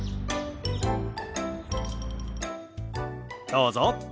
どうぞ。